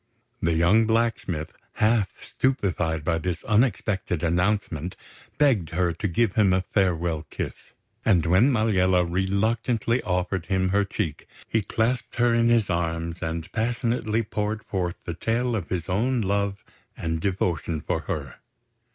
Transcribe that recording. The young blacksmith, half stupefied by this unexpected announcement, begged her to give him a farewell kiss; and when Maliella reluctantly offered him her cheek, he clasped her in his arms and passionately poured forth the tale of his own love and devotion for her.